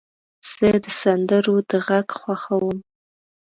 زه د سندرو د غږ خوښوم.